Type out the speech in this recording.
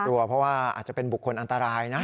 กลัวเพราะว่าอาจจะเป็นบุคคลอันตรายนะ